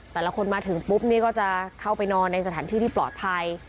แต่ละคนมาถึงปุ๊บนี่ก็จะเข้าไปนอนในสถานที่ที่ปลอดภัย